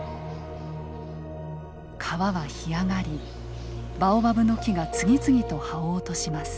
川は干上がりバオバブの木が次々と葉を落とします。